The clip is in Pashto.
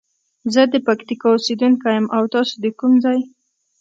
زه د پکتیکا اوسیدونکی یم او تاسو د کوم ځاي؟